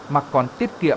mà còn tiết kiệm cả thời gian